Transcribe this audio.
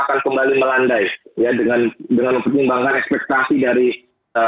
akan kembali melandai ya dengan dengan mempercembangkan ekspektasi dari ee